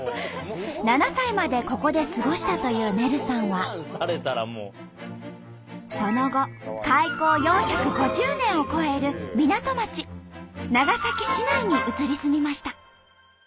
７歳までここで過ごしたというねるさんはその後開港４５０年を超える港町長崎市内に移り住みました。